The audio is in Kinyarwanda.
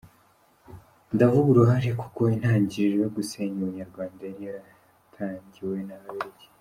Ndavuga uruhare kuko intangiriro yo gusenya ubunyarwanda yari yaratangiwe n’Ababiligi.